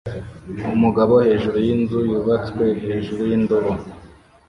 Umugabo hejuru yinzu yubatswe hejuru yindobo